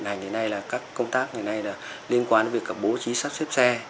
hành hiện nay là các công tác ngày nay là liên quan đến việc bố trí sắp xếp xe